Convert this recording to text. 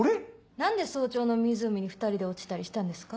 何で早朝の湖に２人で落ちたりしたんですか？